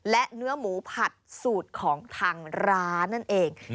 และเนื้อหมูผัดสูตรของทางร้านนั่นเอง